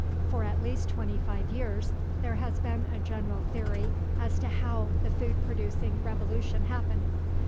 For at least twenty five years, there has been a general theory as to how the food producing revolution happened.